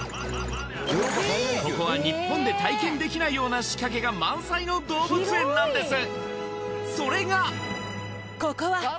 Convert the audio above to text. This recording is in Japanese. ここは日本で体験できないような仕掛けが満載の動物園なんです！